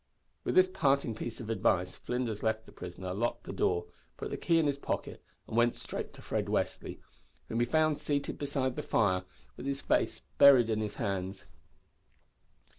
With this parting piece of advice Flinders left the prisoner, locked the door, put the key in his pocket, and went straight to Fred Westly, whom he found seated beside the fire with his face buried in his hands.